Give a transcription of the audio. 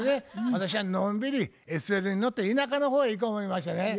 私はのんびりＳＬに乗って田舎の方へ行こ思いましてね。